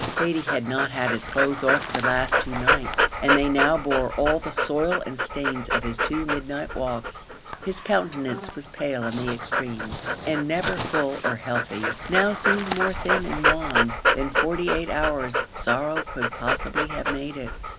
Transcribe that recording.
Thady had not had his clothes off for the last two nights, and they now bore all the soil and stains of his two midnight walks; his countenance was pale in the extreme, and, never full or healthy, now seemed more thin and wan, than forty eight hours' sorrow could possibly have made it.